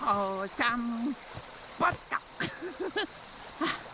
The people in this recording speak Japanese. あっ。